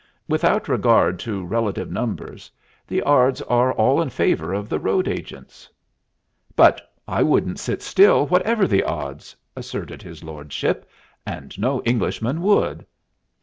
Without regard to relative numbers, the odds are all in favor of the road agents." "But I wouldn't sit still, whatever the odds," asserted his lordship. "And no Englishman would."